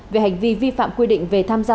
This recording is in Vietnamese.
về hành vi vi phạm quy định về tham gia